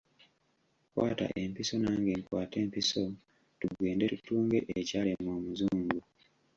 Kwata empiso nange nkwate empiso tugende tutunge ekyalema omuzungu.